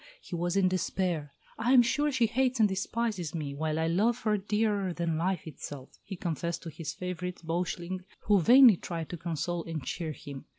He was in despair. "I am sure she hates and despises me, while I love her dearer than life itself," he confessed to his favourite Beuchling, who vainly tried to console and cheer him.